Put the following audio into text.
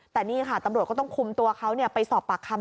แต่นี่ค่ะตำรวจก็ต้องคุมตัวเขาไปสอบปากคำ